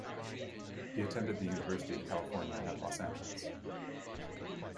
He attended the University of California at Los Angeles.